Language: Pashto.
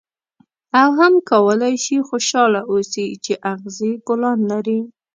او هم کولای شې خوشاله اوسې چې اغزي ګلان لري.